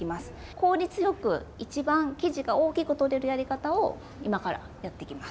効率よくいちばん生地が大きくとれるやり方を今からやっていきます。